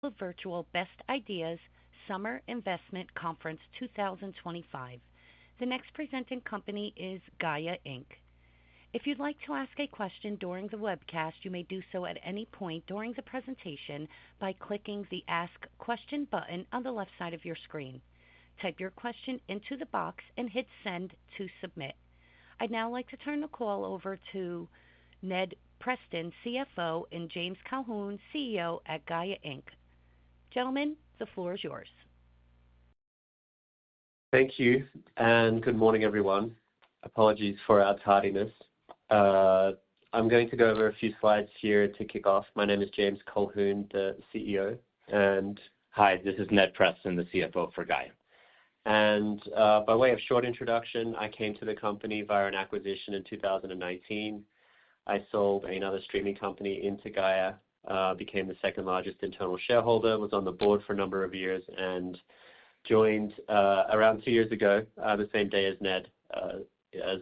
For virtual Best Ideas Summer Investment Conference 2025. The next presenting company is Gaia. If you'd like to ask a question during the webcast, you may do so at any point during the presentation by clicking the Ask Question button on the left side of your screen. Type your question into the box and hit Send to submit. I'd now like to turn the call over to Ned Preston, CFO, and James Colquhoun, CEO at Gaia. Gentlemen, the floor is yours. Thank you, and good morning, everyone. Apologies for our tardiness. I'm going to go over a few slides here to kick off. My name is James Colquhoun, the CEO, and Hi, this is Ned Preston, the CFO for Gaia. By way of short introduction, I came to the company via an acquisition in 2019. I sold another streaming company into Gaia, became the second largest internal shareholder, was on the board for a number of years, and joined around two years ago, the same day as Ned, as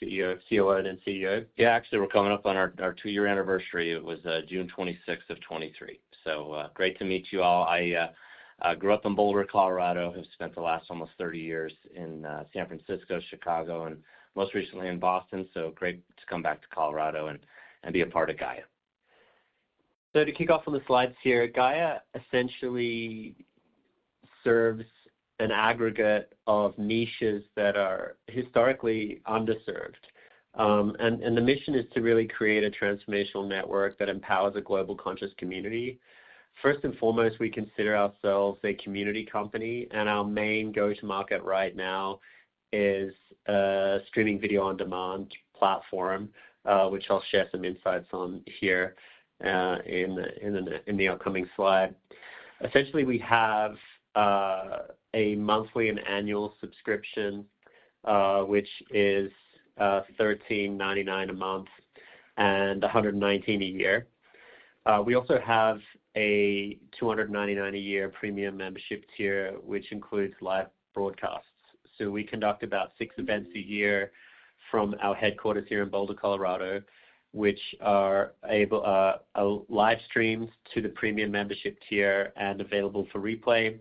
CEO, COO, and then CEO. Yeah, actually, we're coming up on our two-year anniversary. It was June 26th of 2023. Great to meet you all. I grew up in Boulder, Colorado, have spent the last almost 30 years in San Francisco, Chicago, and most recently in Boston. Great to come back to Colorado and be a part of Gaia. To kick off on the slides here, Gaia essentially serves an aggregate of niches that are historically underserved, and the mission is to really create a transformational network that empowers a global conscious community. First and foremost, we consider ourselves a community company, and our main go-to-market right now is a streaming video on demand platform, which I'll share some insights on here in the upcoming slide. Essentially, we have a monthly and annual subscription, which is $13.99 a month and $119 a year. We also have a $299 a year premium membership tier, which includes live broadcasts. We conduct about six events a year from our headquarters here in Boulder, Colorado, which are live streamed to the premium membership tier and available for replay.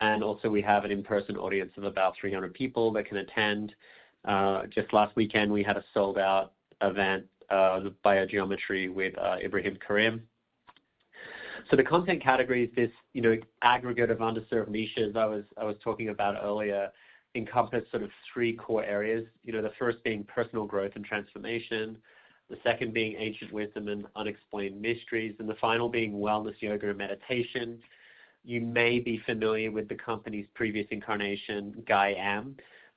Also, we have an in-person audience of about 300 people that can attend. Just last weekend, we had a sold-out event, by a geometry with Ibrahim Karim. The content categories, this, you know, aggregate of underserved niches I was talking about earlier, encompass sort of three core areas. You know, the first being personal growth and transformation, the second being ancient wisdom and unexplained mysteries, and the final being wellness, yoga, and meditation. You may be familiar with the company's previous incarnation, Gaia,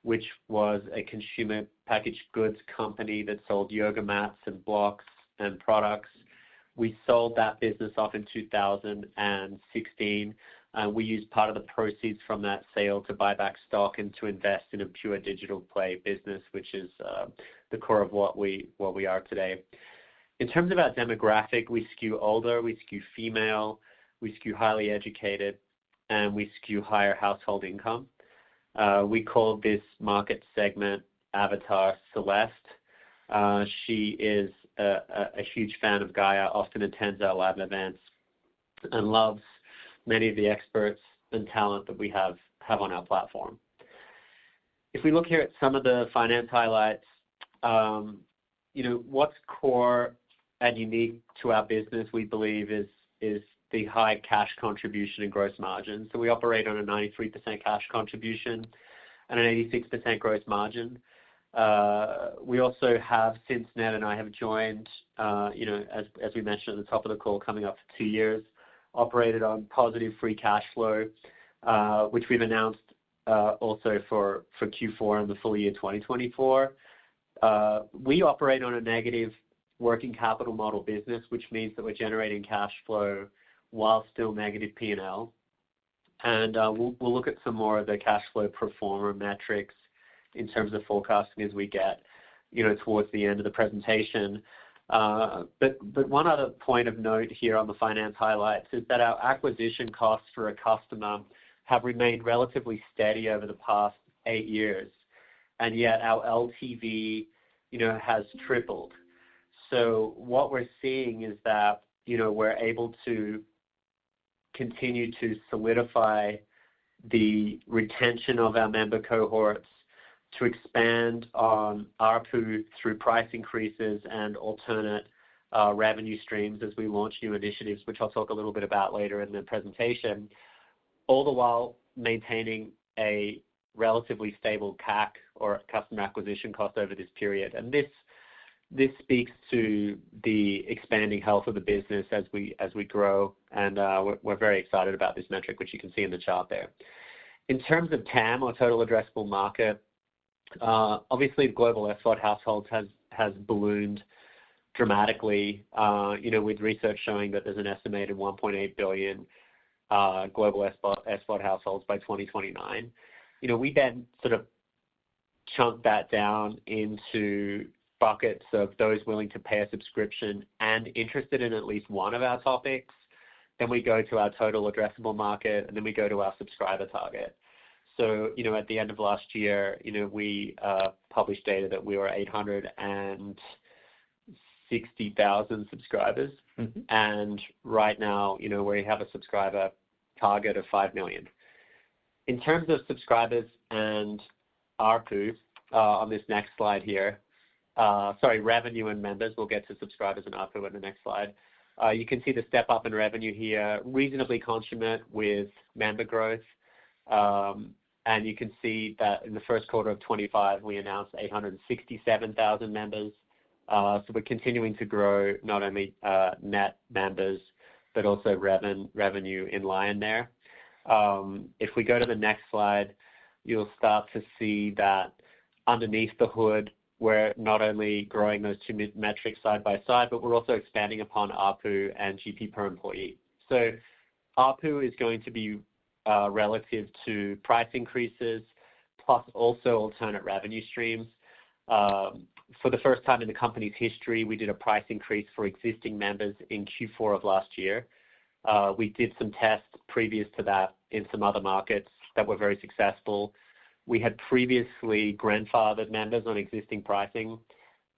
which was a consumer packaged goods company that sold yoga mats and blocks and products. We sold that business off in 2016, and we used part of the proceeds from that sale to buy back stock and to invest in a pure digital play business, which is the core of what we are today. In terms of our demographic, we skew older, we skew female, we skew highly educated, and we skew higher household income. We call this market segment Avatar Celeste. She is a huge fan of Gaia, often attends our live events, and loves many of the experts and talent that we have on our platform. If we look here at some of the finance highlights, you know, what's core and unique to our business, we believe, is the high cash contribution and gross margin. We operate on a 93% cash contribution and an 86% gross margin. We also have, since Ned and I have joined, you know, as we mentioned at the top of the call, coming up for two years, operated on positive free cash flow, which we've announced, also for Q4 and the full year 2024. We operate on a negative working capital model business, which means that we're generating cash flow while still negative P&L. We'll look at some more of the cash flow performer metrics in terms of forecasting as we get, you know, towards the end of the presentation. One other point of note here on the finance highlights is that our acquisition costs for a customer have remained relatively steady over the past eight years, and yet our LTV, you know, has tripled. What we're seeing is that, you know, we're able to continue to solidify the retention of our member cohorts, to expand on our pool through price increases and alternate revenue streams as we launch new initiatives, which I'll talk a little bit about later in the presentation, all the while maintaining a relatively stable CAC or customer acquisition cost over this period. This speaks to the expanding health of the business as we grow. We're very excited about this metric, which you can see in the chart there. In terms of TAM, or total addressable market, obviously, the global exoteric households has ballooned dramatically, you know, with research showing that there's an estimated 1.8 billion global exoteric households by 2029. You know, we then sort of chunk that down into buckets of those willing to pay a subscription and interested in at least one of our topics. We go to our total addressable market, and then we go to our subscriber target. You know, at the end of last year, you know, we published data that we were 860,000 subscribers. Mm-hmm. Right now, you know, we have a subscriber target of 5 million. In terms of subscribers and ARPU, on this next slide here, sorry, revenue and members, we'll get to subscribers and ARPU in the next slide. You can see the step-up in revenue here, reasonably consummate with member growth. You can see that in the first quarter of 2025, we announced 867,000 members. We're continuing to grow not only net members, but also revenue in line there. If we go to the next slide, you'll start to see that underneath the hood, we're not only growing those two metrics side by side, but we're also expanding upon ARPU and GP per employee. ARPU is going to be, relative to price increases, plus also alternate revenue streams. For the first time in the company's history, we did a price increase for existing members in Q4 of last year. We did some tests previous to that in some other markets that were very successful. We had previously grandfathered members on existing pricing,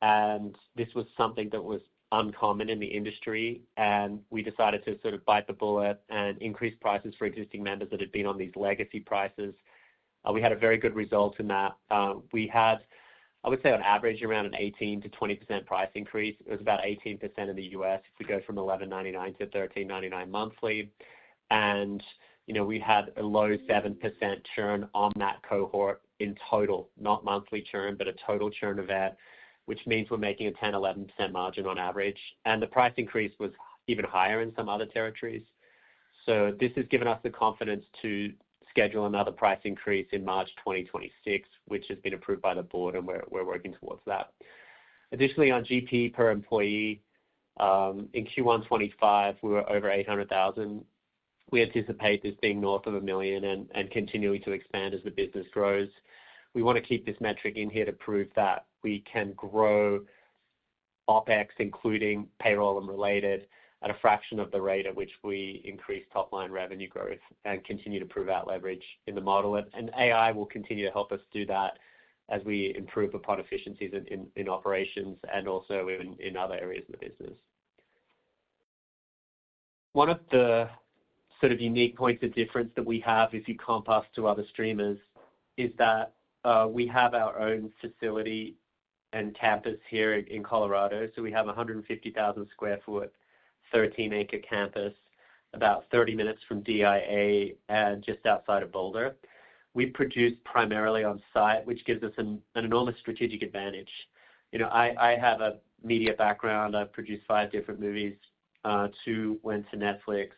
and this was something that was uncommon in the industry, and we decided to sort of bite the bullet and increase prices for existing members that had been on these legacy prices. We had a very good result in that. We had, I would say, on average, around an 18%-20% price increase. It was about 18% in the U.S. if we go from $11.99 to $13.99 monthly. And, you know, we had a low 7% churn on that cohort in total, not monthly churn, but a total churn event, which means we're making a 10%-11% margin on average. The price increase was even higher in some other territories. This has given us the confidence to schedule another price increase in March 2026, which has been approved by the board, and we are working towards that. Additionally, on GP per employee, in Q1 2025, we were over $800,000. We anticipate this being north of $1 million and continuing to expand as the business grows. We want to keep this metric in here to prove that we can grow Opex, including payroll and related, at a fraction of the rate at which we increase top-line revenue growth and continue to prove our leverage in the model. AI will continue to help us do that as we improve upon efficiencies in operations and also in other areas of the business. One of the sort of unique points of difference that we have, if you comp us to other streamers, is that we have our own facility and campus here in Colorado. We have a 150,000 sq. ft., 13-acre campus about 30 minutes from DIA and just outside of Boulder. We produce primarily on site, which gives us an enormous strategic advantage. You know, I have a media background. I've produced five different movies, two went to Netflix,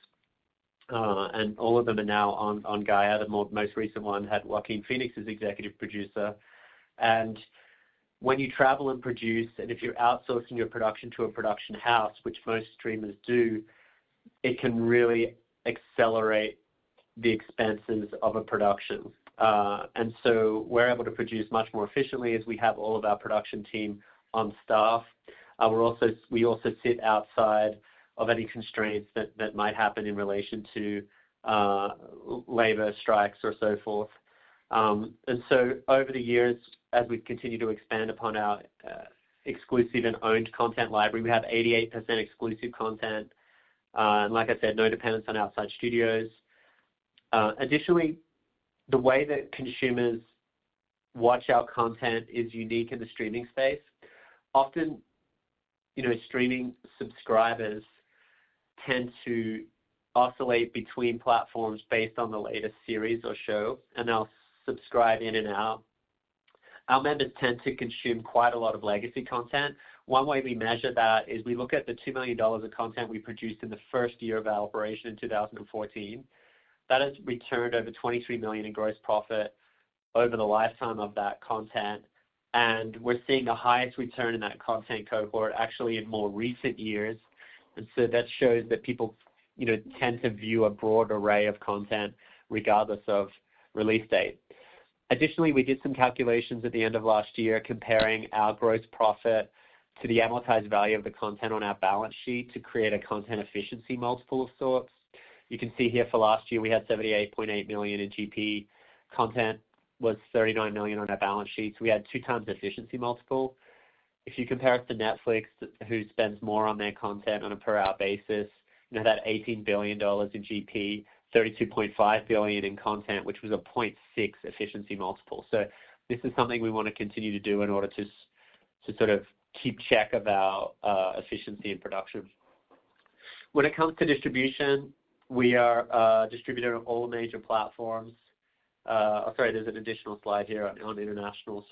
and all of them are now on Gaia. The most recent one had Joaquin Phoenix as executive producer. When you travel and produce, and if you're outsourcing your production to a production house, which most streamers do, it can really accelerate the expenses of a production. We are able to produce much more efficiently as we have all of our production team on staff. We're also, we also sit outside of any constraints that might happen in relation to labor strikes or so forth. And so over the years, as we've continued to expand upon our exclusive and owned content library, we have 88% exclusive content. And like I said, no dependence on outside studios. Additionally, the way that consumers watch our content is unique in the streaming space. Often, you know, streaming subscribers tend to oscillate between platforms based on the latest series or show, and they'll subscribe in and out. Our members tend to consume quite a lot of legacy content. One way we measure that is we look at the $2 million of content we produced in the first year of our operation in 2014. That has returned over $23 million in gross profit over the lifetime of that content. We're seeing the highest return in that content cohort actually in more recent years. That shows that people, you know, tend to view a broad array of content regardless of release date. Additionally, we did some calculations at the end of last year comparing our gross profit to the amortized value of the content on our balance sheet to create a content efficiency multiple of sorts. You can see here for last year, we had $78.8 million in GP. Content was $39 million on our balance sheet. We had a 2x efficiency multiple. If you compare it to Netflix, who spends more on their content on a per-hour basis, you know, that $18 billion in GP, $32.5 billion in content, which was a 0.6x efficiency multiple. This is something we want to continue to do in order to sort of keep check of our efficiency in production. When it comes to distribution, we are distributor of all major platforms. Sorry, there is an additional slide here on international.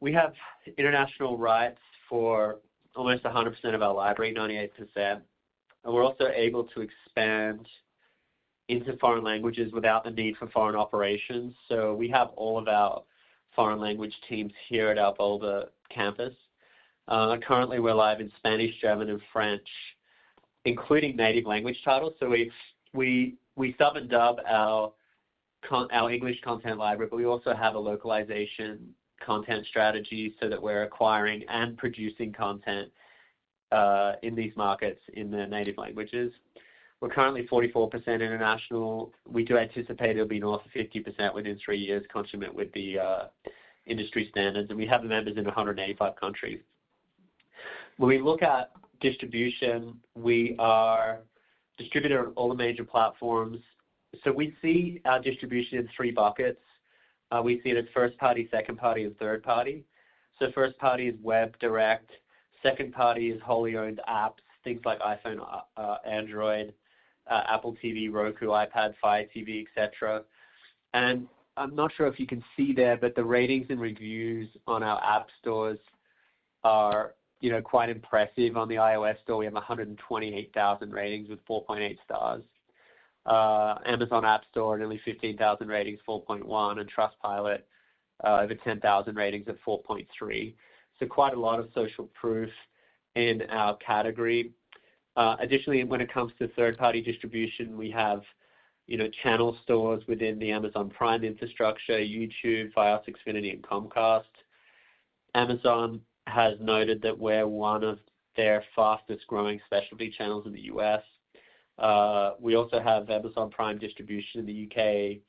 We have international rights for almost 100% of our library, 98%. We are also able to expand into foreign languages without the need for foreign operations. We have all of our foreign language teams here at our Boulder campus. Currently, we are live in Spanish, German, and French, including native language titles. We sub and dub our English content library, but we also have a localization content strategy so that we are acquiring and producing content in these markets in the native languages. We are currently 44% international. We do anticipate it'll be north of 50% within three years, consummate with the industry standards. We have the members in 185 countries. When we look at distribution, we are distributor on all the major platforms. We see our distribution in three buckets. We see it as first-party, second-party, and third-party. First-party is web direct. Second-party is wholly owned apps, things like iPhone, Android, Apple TV, Roku, iPad, Fire TV, etc. I'm not sure if you can see there, but the ratings and reviews on our app stores are, you know, quite impressive. On the iOS store, we have 128,000 ratings with 4.8 stars. Amazon App Store, nearly 15,000 ratings, 4.1, and Trustpilot, over 10,000 ratings at 4.3. Quite a lot of social proof in our category. Additionally, when it comes to third-party distribution, we have, you know, channel stores within the Amazon Prime infrastructure, YouTube, Fios, Xfinity, and Comcast. Amazon has noted that we're one of their fastest-growing specialty channels in the U.S. We also have Amazon Prime distribution in the U.K.,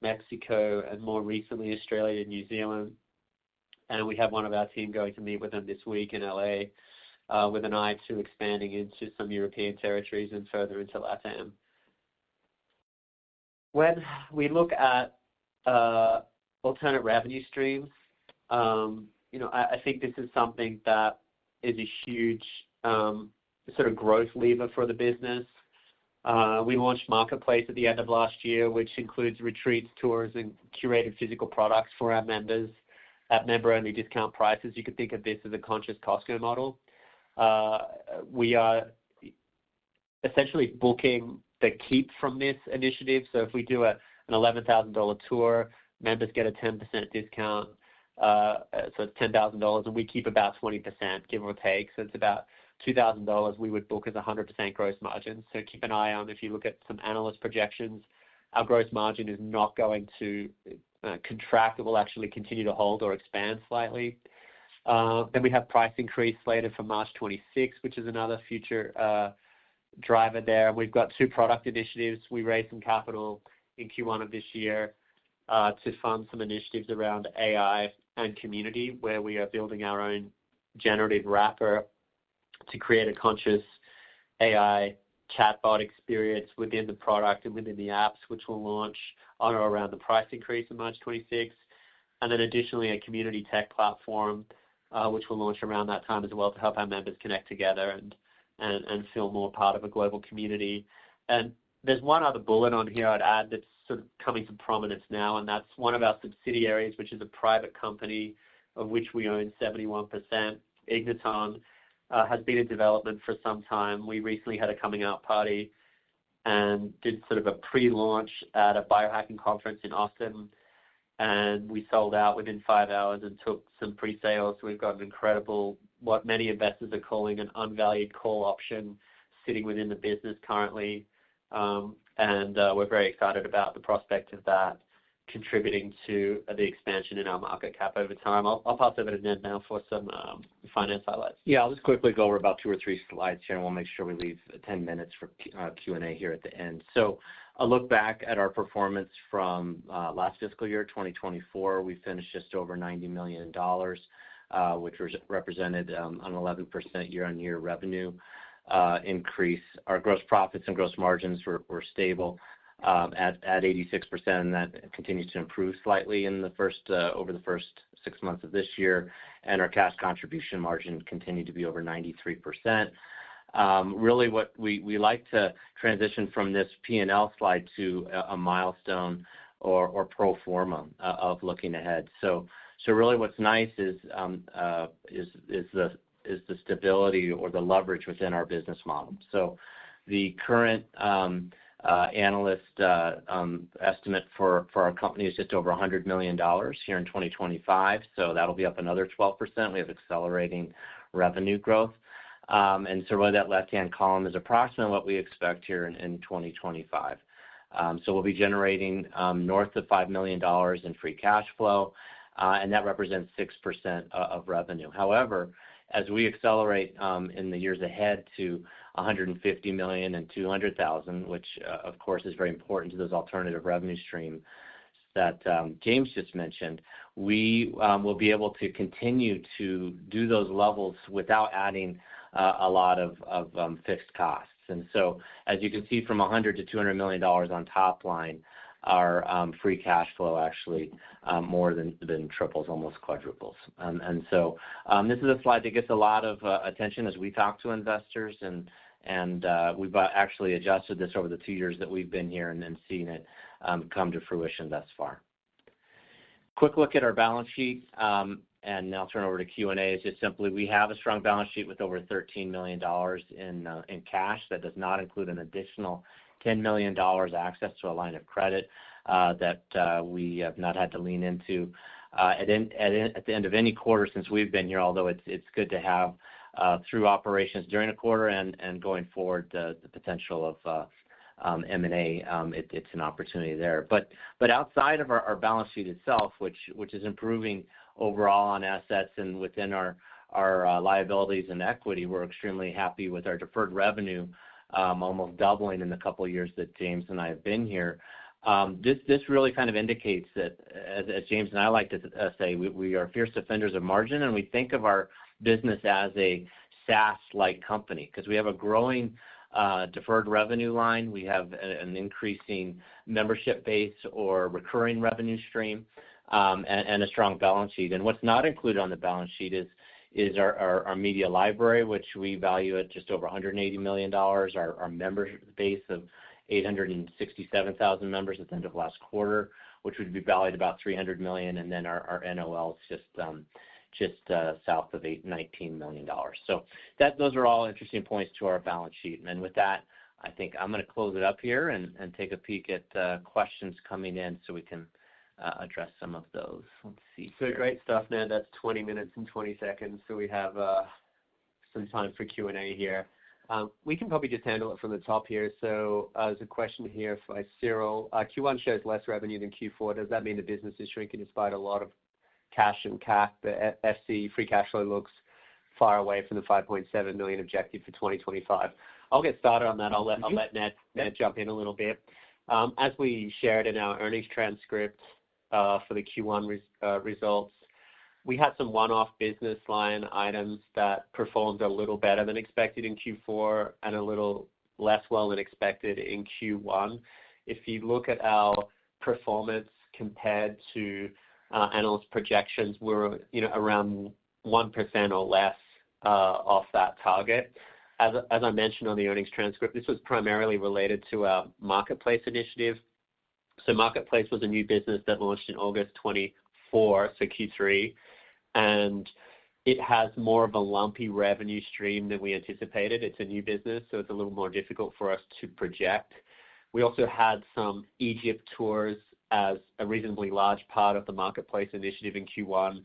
Mexico, and more recently, Australia and New Zealand. We have one of our team going to meet with them this week in Los Angeles, with an eye to expanding into some European territories and further into LATAM. When we look at alternate revenue streams, you know, I think this is something that is a huge, sort of growth lever for the business. We launched Marketplace at the end of last year, which includes retreats, tours, and curated physical products for our members at member-only discount prices. You could think of this as a conscious Costco model. We are essentially booking the keep from this initiative. If we do an $11,000 tour, members get a 10% discount, so it's $10,000, and we keep about 20%, give or take. It's about $2,000 we would book as 100% gross margin. Keep an eye on, if you look at some analyst projections, our gross margin is not going to contract. It will actually continue to hold or expand slightly. We have a price increase later for March 26, which is another future driver there. We have two product initiatives. We raised some capital in Q1 of this year to fund some initiatives around AI and community, where we are building our own generative wrapper to create a conscious AI chatbot experience within the product and within the apps, which we'll launch on or around the price increase on March 26. Additionally, a community tech platform, which we'll launch around that time as well, will help our members connect together and feel more part of a global community. There's one other bullet on here I'd add that's sort of coming to prominence now, and that's one of our subsidiaries, which is a private company of which we own 71%. Ignaton has been in development for some time. We recently had a coming-out party and did sort of a pre-launch at a biohacking conference in Austin. We sold out within five hours and took some pre-sales. We've got an incredible, what many investors are calling an unvalued call option sitting within the business currently. We're very excited about the prospect of that contributing to the expansion in our market cap over time. I'll pass over to Ned now for some finance highlights. Yeah, I'll just quickly go over about two or three slides here, and we'll make sure we leave 10 minutes for Q&A here at the end. A look back at our performance from last fiscal year, 2024, we finished just over $90 million, which represented an 11% year-on-year revenue increase. Our gross profits and gross margins were stable at 86%, and that continues to improve slightly over the first six months of this year. Our cash contribution margin continued to be over 93%. Really what we like to transition from this P&L slide to is a milestone or pro forma of looking ahead. Really what's nice is the stability or the leverage within our business model. The current analyst estimate for our company is just over $100 million here in 2025. That'll be up another 12%. We have accelerating revenue growth, and so really that left-hand column is approximately what we expect here in 2025. We’ll be generating north of $5 million in free cash flow, and that represents 6% of revenue. However, as we accelerate in the years ahead to $150 million and $200 million, which, of course, is very important to those alternative revenue streams that James just mentioned, we will be able to continue to do those levels without adding a lot of fixed costs. As you can see, from $100 million-$200 million on top line, our free cash flow actually more than triples, almost quadruples. This is a slide that gets a lot of attention as we talk to investors. We have actually adjusted this over the two years that we have been here and seen it come to fruition thus far. A quick look at our balance sheet, and now I will turn over to Q&A, is just simply we have a strong balance sheet with over $13 million in cash. That does not include an additional $10 million access to a line of credit that we have not had to lean into at the end of any quarter since we have been here, although it is good to have through operations during a quarter and going forward, the potential of M&A. It is an opportunity there. Outside of our balance sheet itself, which is improving overall on assets and within our liabilities and equity, we're extremely happy with our deferred revenue, almost doubling in the couple of years that James and I have been here. This really kind of indicates that, as James and I like to say, we are fierce defenders of margin, and we think of our business as a SaaS-like company because we have a growing deferred revenue line. We have an increasing membership base or recurring revenue stream, and a strong balance sheet. What's not included on the balance sheet is our media library, which we value at just over $180 million, and our membership base of 867,000 members at the end of last quarter, which would be valued at about $300 million. Our NOL is just south of $19 million. Those are all interesting points to our balance sheet. With that, I think I'm going to close it up here and take a peek at questions coming in so we can address some of those. Let's see. Great stuff, Ned. That is 20 minutes and 20 seconds. We have some time for Q&A here. We can probably just handle it from the top here. There is a question here by Cyril. Q1 shows less revenue than Q4. Does that mean the business is shrinking despite a lot of cash and cap? The free cash flow looks far away from the $5.7 million objective for 2025. I will get started on that. I will let Ned jump in a little bit. As we shared in our earnings transcript, for the Q1 results, we had some one-off business line items that performed a little better than expected in Q4 and a little less well than expected in Q1. If you look at our performance compared to analyst projections, we are, you know, around 1% or less off that target. As I mentioned on the earnings transcript, this was primarily related to our Marketplace initiative. Marketplace was a new business that launched in August 2024, so Q3. It has more of a lumpy revenue stream than we anticipated. It is a new business, so it is a little more difficult for us to project. We also had some Egypt tours as a reasonably large part of the Marketplace initiative in Q1.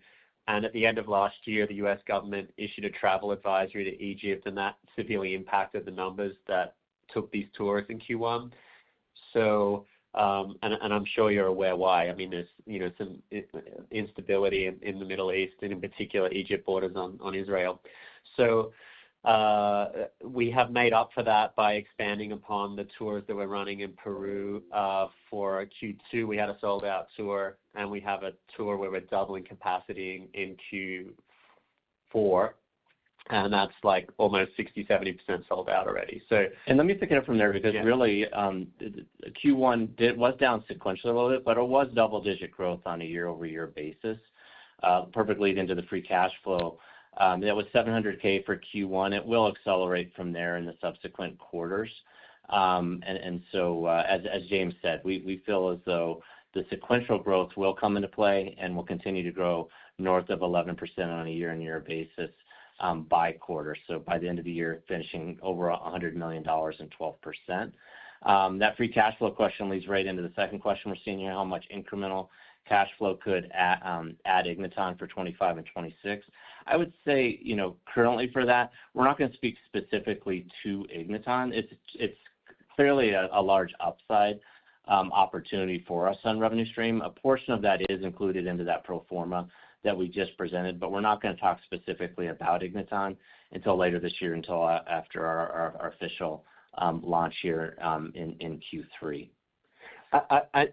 At the end of last year, the U.S. government issued a travel advisory to Egypt, and that severely impacted the numbers that took these tours in Q1. I am sure you are aware why. I mean, there is, you know, some instability in the Middle East and in particular Egypt borders on Israel. We have made up for that by expanding upon the tours that we are running in Peru for Q2. We had a sold-out tour, and we have a tour where we're doubling capacity in Q4. That's like almost 60%-70% sold-out already. Let me pick it up from there because really, Q1 was down sequentially a little bit, but it was double-digit growth on a year-over-year basis, perfectly into the free cash flow. That was $700,000 for Q1. It will accelerate from there in the subsequent quarters. As James said, we feel as though the sequential growth will come into play and will continue to grow north of 11% on a year-on-year basis, by quarter. By the end of the year, finishing over $100 million and 12%. That free cash flow question leads right into the second question we're seeing here, how much incremental cash flow could add Ignaton for 2025 and 2026. I would say, you know, currently for that, we're not going to speak specifically to Ignaton. It's clearly a large upside opportunity for us on revenue stream. A portion of that is included into that pro forma that we just presented, but we're not going to talk specifically about Ignaton until later this year, until after our official launch here in Q3.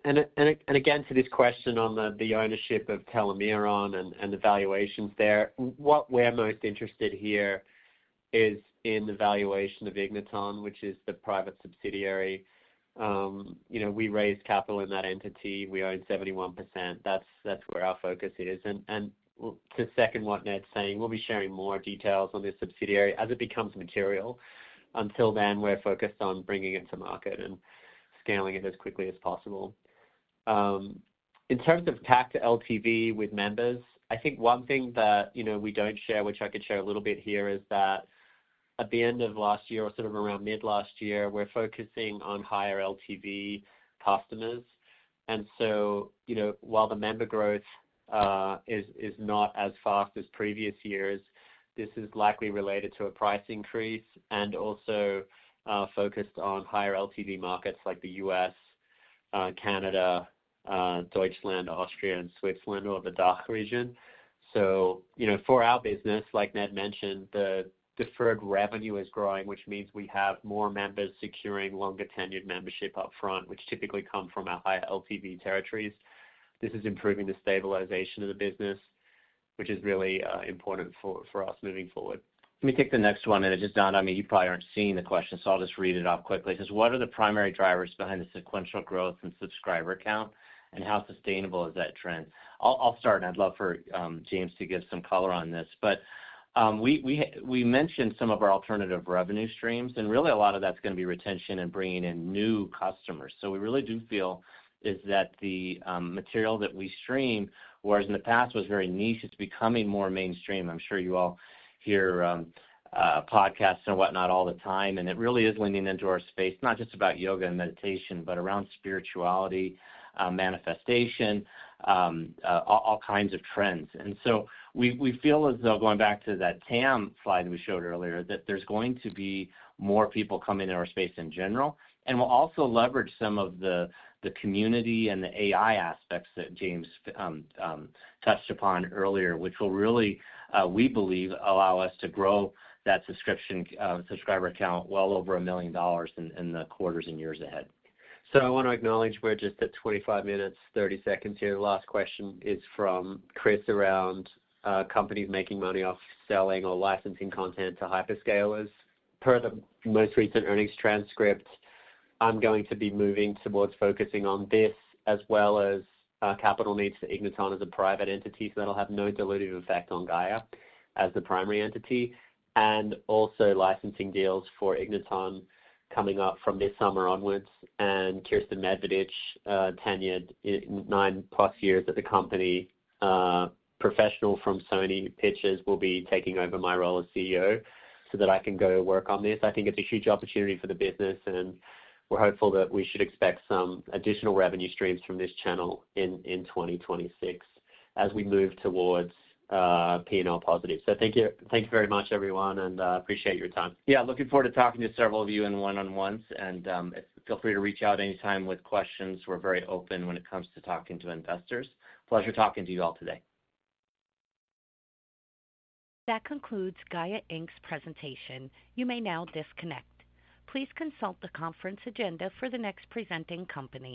And again to this question on the ownership of Telomeron and the valuations there, what we're most interested here is in the valuation of Ignaton, which is the private subsidiary. You know, we raised capital in that entity. We own 71%. That's where our focus is. And to second what Ned's saying, we'll be sharing more details on this subsidiary as it becomes material. Until then, we're focused on bringing it to market and scaling it as quickly as possible. In terms of CAC to LTV with members, I think one thing that, you know, we don't share, which I could share a little bit here, is that at the end of last year or sort of around mid-last year, we're focusing on higher LTV customers. You know, while the member growth is not as fast as previous years, this is likely related to a price increase and also focused on higher LTV markets like the U.S., Canada, Deutschland, Austria, and Switzerland, or the DACH region. You know, for our business, like Ned mentioned, the deferred revenue is growing, which means we have more members securing longer tenured membership upfront, which typically come from our higher LTV territories. This is improving the stabilization of the business, which is really important for us moving forward. Let me take the next one, and it just, I mean, you probably aren't seeing the question, so I'll just read it off quickly. It says, what are the primary drivers behind the sequential growth in subscriber count, and how sustainable is that trend? I'll, I'll start, and I'd love for James to give some color on this. But, we, we mentioned some of our alternative revenue streams, and really a lot of that's going to be retention and bringing in new customers. So we really do feel is that the material that we stream, whereas in the past was very niche, it's becoming more mainstream. I'm sure you all hear, podcasts and whatnot all the time, and it really is leaning into our space, not just about yoga and meditation, but around spirituality, manifestation, all, all kinds of trends. We feel as though going back to that TAM slide we showed earlier, that there's going to be more people coming into our space in general. We will also leverage some of the community and the AI aspects that James touched upon earlier, which will really, we believe, allow us to grow that subscription, subscriber count well over a million in the quarters and years ahead. I want to acknowledge we're just at 25 minutes, 30 seconds here. The last question is from Chris around companies making money off selling or licensing content to hyperscalers. Per the most recent earnings transcript, I'm going to be moving towards focusing on this as well as capital needs for Ignaton as a private entity so that'll have no dilutive effect on Gaia as the primary entity. Also, licensing deals for Ignaton coming up from this summer onwards. Kirsten Medvedich, tenured 9+ years at the company, professional from Sony, pitches will be taking over my role as CEO so that I can go work on this. I think it's a huge opportunity for the business, and we're hopeful that we should expect some additional revenue streams from this channel in 2026 as we move towards P&L positive. Thank you, thank you very much, everyone, and appreciate your time. Yeah, looking forward to talking to several of you in one-on-ones, and feel free to reach out anytime with questions. We're very open when it comes to talking to investors. Pleasure talking to you all today. That concludes Gaia's presentation. You may now disconnect. Please consult the conference agenda for the next presenting company.